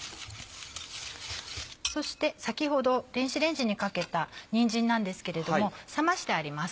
そして先ほど電子レンジにかけたにんじんなんですけれども冷ましてあります。